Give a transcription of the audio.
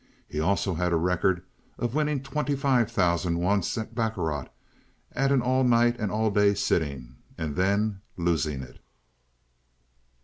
He also had a record of winning twenty five thousand once at baccarat at an all night and all day sitting, and then losing it.